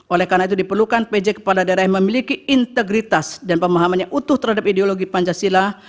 oleh karena itu diperlukan pj kepala daerah yang memiliki integritas dan pemahamannya utuh terhadap ideologi pancasila